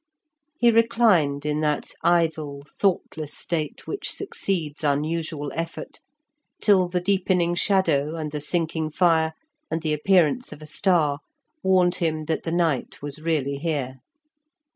He reclined in that idle, thoughtless state which succeeds unusual effort, till the deepening shadow and the sinking fire, and the appearance of a star, warned him that the night was really here.